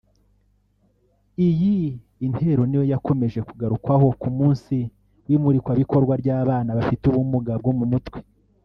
Iyi Intero niyo yakomeje kugarukwaho ku munsi w’imurikabikorwa by’abana bafite ubumuga bwo mutwe